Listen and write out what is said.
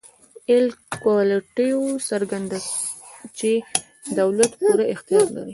اېل کورالیټو څرګندوي چې دولت پوره اختیار لري.